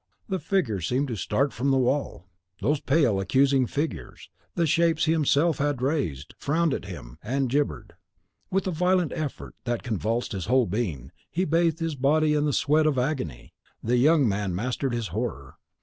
the figures seemed to start from the wall! Those pale accusing figures, the shapes he himself had raised, frowned at him, and gibbered. With a violent effort that convulsed his whole being, and bathed his body in the sweat of agony, the young man mastered his horror.